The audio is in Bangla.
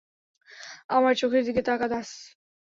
আমার চোখের দিকে তাকা, দাস।